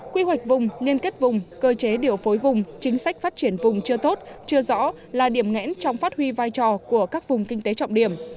quy hoạch vùng liên kết vùng cơ chế điều phối vùng chính sách phát triển vùng chưa tốt chưa rõ là điểm ngẽn trong phát huy vai trò của các vùng kinh tế trọng điểm